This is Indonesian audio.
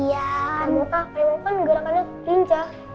nggak mau kayaknya pohon gerakannya rincah